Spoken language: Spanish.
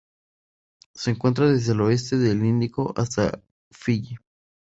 Se encuentra desde el oeste del Índico hasta Fiyi.